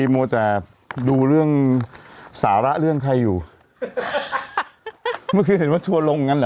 มัวแต่ดูเรื่องสาระเรื่องใครอยู่เมื่อกี้เห็นว่าทัวร์ลงอย่างนั้นเหรอ